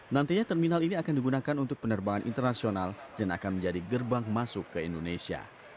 nantinya terminal ini akan digunakan untuk penerbangan internasional dan akan menjadi gerbang masuk ke indonesia